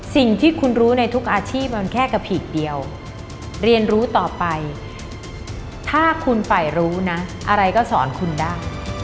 สิ่งที่คุณรู้ในทุกอาชีพมันแค่กระผีกเดียวเรียนรู้ต่อไปถ้าคุณฝ่ายรู้นะอะไรก็สอนคุณได้